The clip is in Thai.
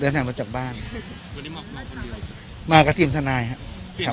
เดินทางมาจากบ้านวันนี้มาคนเดียวครับมากับทีมทนายครับ